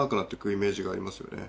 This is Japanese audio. イメージがありますよね。